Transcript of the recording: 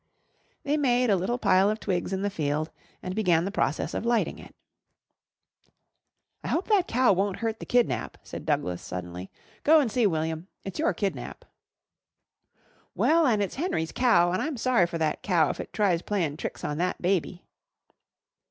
They made a little pile of twigs in the field and began the process of lighting it. "I hope that cow won't hurt the 'kidnap,'" said Douglas suddenly. "Go and see, William; it's your kidnap." "Well, an' it's Henry's cow, and I'm sorry for that cow if it tries playin' tricks on that baby."